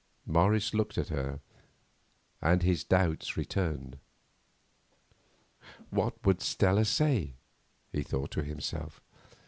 Morris looked at her, and his doubts returned. What would Stella say? he thought to himself.